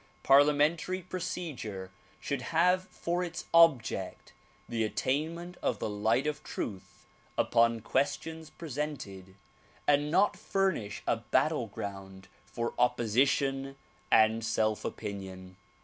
Parliamentary procedure should have for its object the attainment of the light of truth upon ques tions presented and not furnish a battle ground for opposition and self opinion.